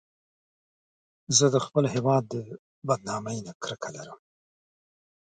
زه د خپل هېواد د بدنامۍ نه کرکه لرم